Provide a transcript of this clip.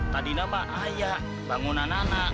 tadi nama ayah bangunan anak